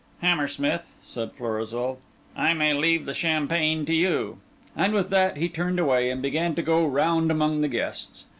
"Hammersmith," said Florizel, "I may leave the champagne to you." And with that he turned away and began to go round among the guests.